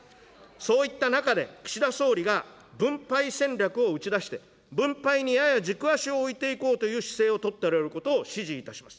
そういった中で、岸田総理が分配戦略を打ち出して、分配にやや軸足を置いていこうという姿勢を取っておられることを支持いたします。